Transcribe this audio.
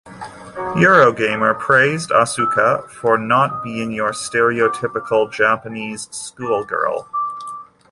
Eurogamer praised Asuka for not being your stereotypical Japanese schoolgirl.